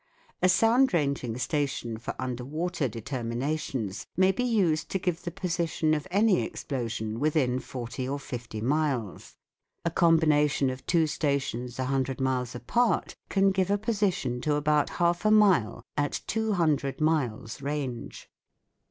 A sound ranging station for under water deter minations may be used to give the position of any explosion within forty or fifty miles. A com bination of two stations a hundred miles apart can give a position to about half a mile at two hundred miles range.